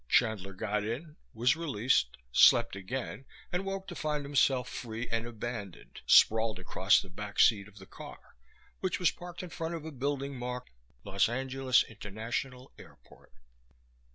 Chandler got in, was released, slept again and woke to find himself free and abandoned, sprawled across the back seat of the car, which was parked in front of a building marked Los Angeles International Airport.